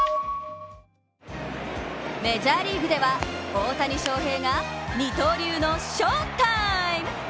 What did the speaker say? メジャーリーグでは大谷翔平が二刀流の翔タイム！